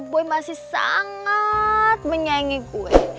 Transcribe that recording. boy masih sangat menyayangi gue